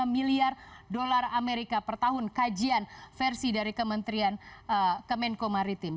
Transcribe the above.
lima miliar dolar amerika per tahun kajian versi dari kementerian kemenko maritim